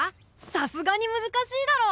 さすがに難しいだろ。